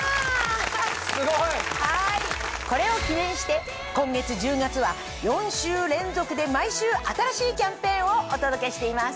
すごい！これを記念して今月１０月は４週連続で毎週新しいキャンペーンをお届けしています。